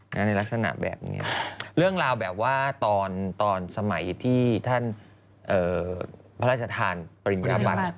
ในลักษณะแบบนี้เรื่องราวแบบว่าตอนสมัยที่ท่านพระราชทานปริญญาบัติ